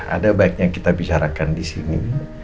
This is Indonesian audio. ada baiknya kita bicarakan di sini